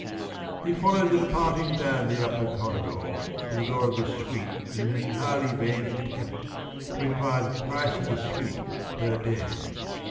He followed the departing dandy up the corridor to the door of the suite in an entirely vain attempt to enquire the price of the suite per day.